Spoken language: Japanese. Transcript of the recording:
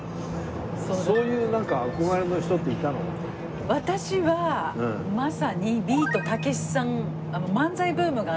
そういうなんか私はまさにビートたけしさん。